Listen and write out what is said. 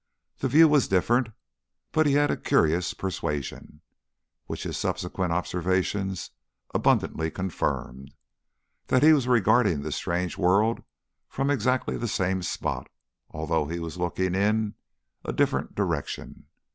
The view was different, but he had a curious persuasion, which his subsequent observations abundantly confirmed, that he was regarding this strange world from exactly the same spot, although he was looking in a different direction.